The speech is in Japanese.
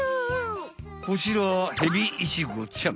こちらはヘビイチゴちゃん。